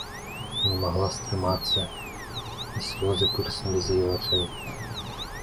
Не магла стрымацца, і слёзы пырснулі з яе вачэй.